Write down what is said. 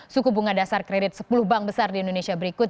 suku bunga dasar kredit sepuluh bank besar di indonesia berikut